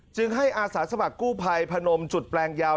จึงให้อาสาสมัครกู้ภัยพนมจุดแปลงยาว